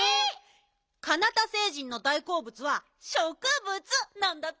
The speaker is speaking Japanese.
カナタ星人の大こうぶつはしょくぶつなんだって。